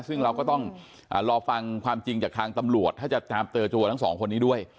ซึ่งเราก็ต้องรอฟังความจริงจากทางตำรวจถ้าจะตามเจอตัวทั้งสองคนนี้ด้วย